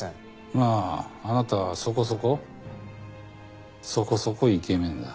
まああなたはそこそこそこそこイケメンだ。